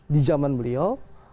di zaman beliau